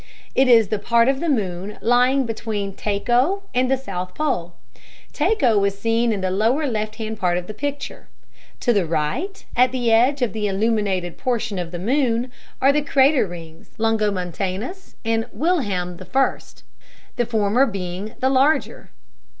It is the part of the moon lying between Tycho and the south pole. Tycho is seen in the lower left hand part of the picture. To the right, at the edge of the illuminated portion of the moon, are the crater rings, Longomontanus and Wilhelm I, the former being the larger.